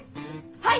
はい！